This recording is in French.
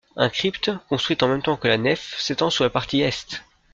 Un crypte, construite en même temps que la nef, s'étend sous la partie Est.